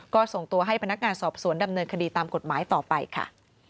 ก็ส่งตัวให้พนักงานสอบสวนดำเนินคดีตามกฎหมายต่อไปค่ะ